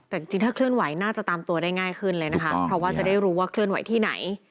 แต่จริงถ้าเคลื่อนไหวน่าจะตามตัวได้ง่ายขึ้นเลยนะคะเพราะว่าจะได้รู้ว่าเคลื่อนไหวที่ไหน